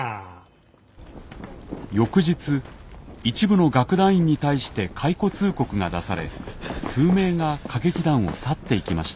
翌日一部の楽団員に対して解雇通告が出され数名が歌劇団を去っていきました。